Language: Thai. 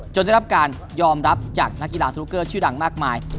ได้รับการยอมรับจากนักกีฬาสนุกเกอร์ชื่อดังมากมาย